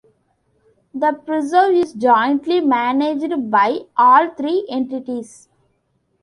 The preserve is jointly managed by all three entities.